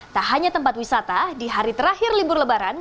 tak hanya tempat wisata di hari terakhir libur lebaran